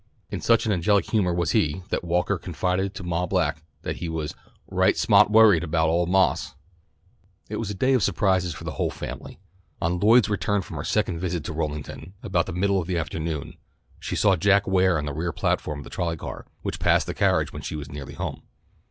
In such an angelic humour was he, that Walker confided to Mom Beck that he was "right sma'ht worried 'bout ole Marse." It was a day of surprises for the whole family. On Lloyd's return from her second visit to Rollington, about the middle of the afternoon, she saw Jack Ware on the rear platform of the trolley car, which passed the carriage when she was nearly home.